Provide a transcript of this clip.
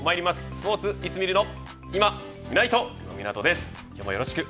スポーツいつ見るのいまみないと、今湊です。